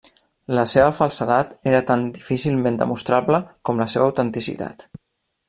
La seva falsedat era tan difícilment demostrable com la seva autenticitat.